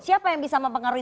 siapa yang bisa mempengaruhi